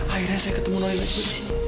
akhirnya saya ketemu noelia sudah sini